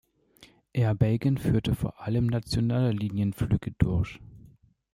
Air Bagan führte vor allem nationale Linienflüge durch.